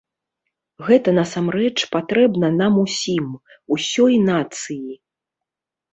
Гэта насамрэч патрэбна нам усім, усёй нацыі.